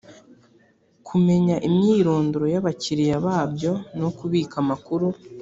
kumenya imyirondoro y’ abakiriya babyo no kubika amakuru.